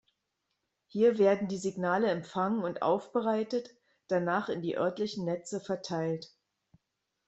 Hier werden die Signale empfangen und aufbereitet, danach in die örtlichen Netze verteilt.